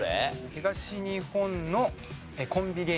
東日本のコンビ芸人さん。